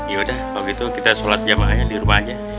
yaudah kalau gitu kita sholat jamaahnya di rumah aja